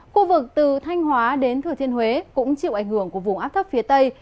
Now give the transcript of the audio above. khu vực từ thanh hóa đến thừa thiên huế cũng chịu ảnh hưởng của vùng áp thấp phía tây